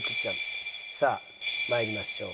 さあ参りましょう。